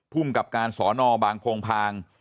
ภูมิกับการสอนอบางโพงพาง